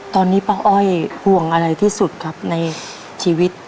ตอนนี้ป้าอ้อยห่วงอะไรที่สุดครับในชีวิต